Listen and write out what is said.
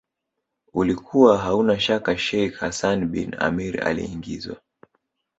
ulikuwa hauna shaka Sheikh Hassan bin Amir aliingizwa